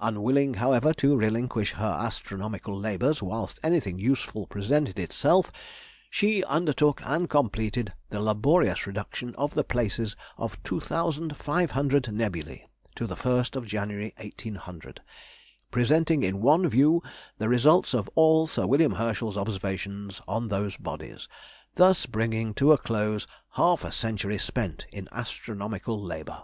Unwilling, however, to relinquish her astronomical labours whilst anything useful presented itself, she undertook and completed the laborious reduction of the places of 2,500 nebulæ, to the 1st of January, 1800, presenting in one view the results of all Sir William Herschel's observations on those bodies, thus bringing to a close half a century spent in astronomical labour.